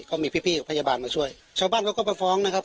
ก็มีพี่พี่พยาบาลมาช่วยชาวบ้านเขาก็ไปฟ้องนะครับ